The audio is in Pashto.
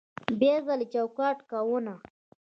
بیا ځلې چوکاټ کوونه